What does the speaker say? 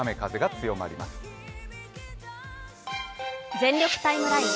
「全力タイムライン」